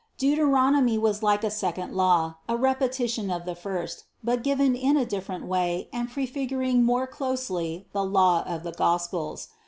151. Deuteronomy is like a second law, a repetition of the first, but given in a different way and prefiguring more closely the law of the Gospels.